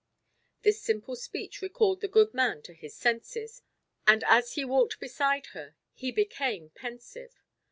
This simple speech recalled the good man to his senses, and as he walked beside her be became pensive.